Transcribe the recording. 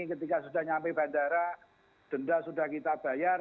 ketika sudah nyampe bandara denda sudah kita bayar